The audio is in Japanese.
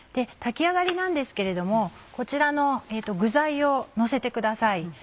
炊き上がりなんですけれどもこちらの具材をのせてください。